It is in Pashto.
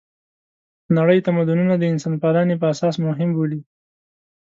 نړۍ تمدونونه د انسانپالنې په اساس مهم بولي.